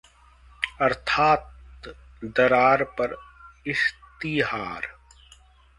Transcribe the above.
अर्थात्ः दरार पर इश्तिहार